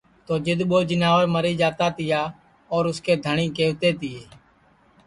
تو جِدؔ ٻو جیناور مری جاتا تیا اور اُس کے دھٹؔی کہوتے تیے